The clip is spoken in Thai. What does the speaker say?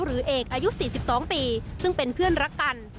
หรือเอกอายุ๔๒ปีซึ่งเป็นเพื่อนรักกัน